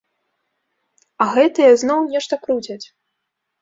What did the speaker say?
А гэтыя зноў нешта круцяць.